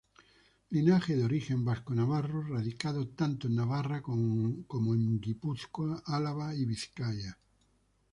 Linaje de origen vasco-navarro, radicado tanto en Navarra, como en Guipúzcoa, Álava y Vizcaya.